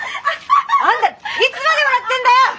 あんたいつまで笑ってんだよ！